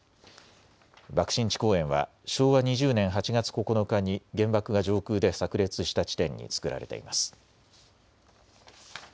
爆心地公園は昭和２０年８月９日に原爆が上空でさく裂した地点に作られています。